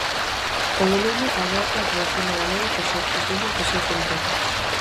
O volume aborda a relación do galego coas outras linguas do seu contorno.